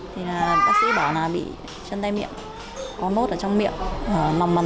thì bà bảo tay chân nó bà mình cho đi khám